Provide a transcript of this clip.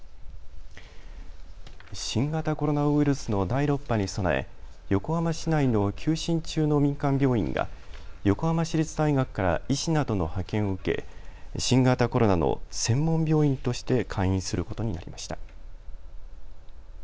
新型コロナウイルスの第６波に備え横浜市内の休診中の民間病院が、横浜市立大学から医師などの派遣を受け新型コロナの専門病院として開院することになりました。